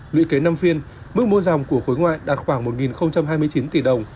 luyện kế năm phiên mức mua dòng của khối ngoại đạt khoảng một hai mươi chín tỷ đồng